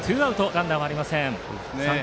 ランナーはありません。